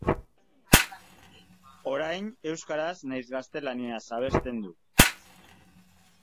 Orain, euskaraz nahiz gaztelaniaz abesten du.